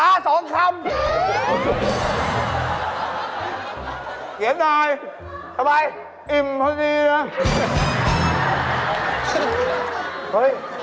ไอ้ปลาเค็มไม่เท่าไหร่แล้วเหม็นยัง